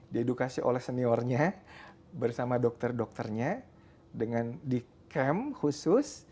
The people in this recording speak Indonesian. diedukasi oleh seniornya bersama dokter dokternya dengan di camp khusus